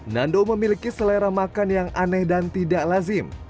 nando memiliki selera makan yang aneh dan tidak lazim